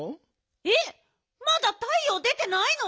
えっまだたいよう出てないの？